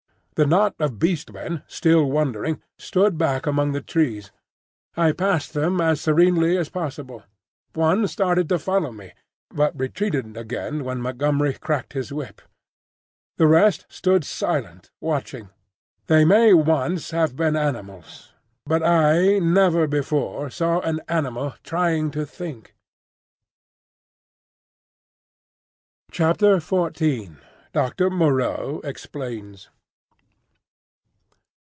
The knot of Beast Men, still wondering, stood back among the trees. I passed them as serenely as possible. One started to follow me, but retreated again when Montgomery cracked his whip. The rest stood silent—watching. They may once have been animals; but I never before saw an animal trying to think. XIV. DOCTOR MOREAU EXPLAINS.